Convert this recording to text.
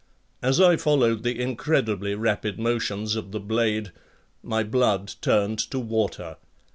As I followed the incredibly rapid motions of the blade, my blood turned to water.